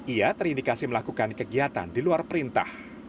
ia terindikasi melakukan kegiatan di luar perintah